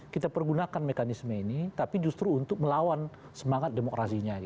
kita pergunakan mekanisme ini tapi justru untuk melawan semangat demokrasinya